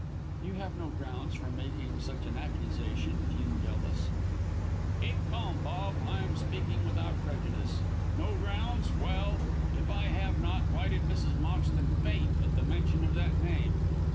"You have no grounds for making such an accusation," fumed Ellis. "Keep calm, Bob. I am speaking without prejudice. No grounds! Well, if I have not, why did Mrs. Moxton faint at the mention of that name?